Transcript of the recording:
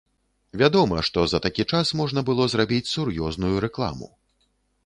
Вядома, што за такі час можна было зрабіць сур'ёзную рэкламу.